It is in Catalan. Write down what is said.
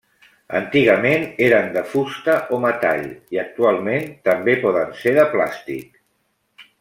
Antigament eren de fusta o metall i actualment també poden ser de plàstic.